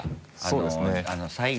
そうです。